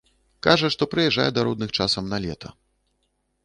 Кажа, што прыязджае да родных часам на лета.